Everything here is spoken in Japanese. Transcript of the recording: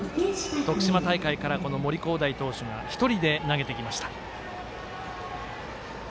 徳島大会からも森煌誠投手が１人で投げてきました。